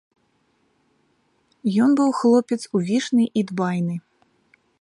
Ён быў хлопец увішны і дбайны.